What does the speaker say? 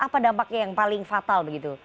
apa dampaknya yang paling fatal begitu